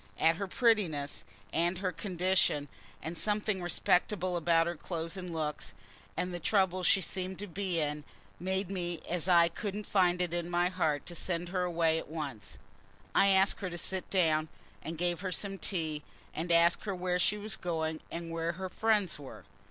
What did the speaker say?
And her prettiness, and her condition, and something respectable about her clothes and looks, and the trouble she seemed to be in made me as I couldn't find in my heart to send her away at once. I asked her to sit down, and gave her some tea, and asked her where she was going, and where her friends were.